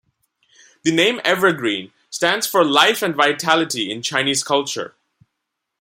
The name "Evergreen" stands for life and vitality in Chinese culture.